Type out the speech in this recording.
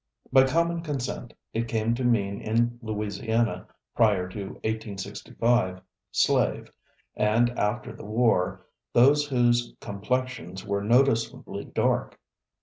By common consent, it came to mean in Louisiana, prior to 1865, slave, and after the war, those whose complexions were noticeably dark.